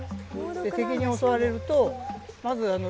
敵に襲われるとまずあの。